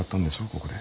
ここで。